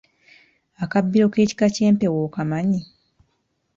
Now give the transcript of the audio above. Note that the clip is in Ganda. Akabbiro k’ekika ky’empeewo okamanyi?